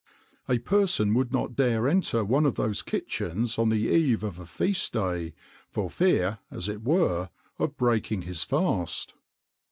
A person would not dare enter one of those kitchens on the eve of a feast day, for fear, as it were, of breaking his fast.